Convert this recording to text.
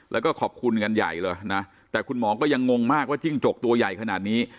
แล้วก็ขอบคุณกันใหญ่เลยนะแต่คุณหมอก็ยังงงมากว่าจิ้งจกตัวใหญ่ขนาดนี้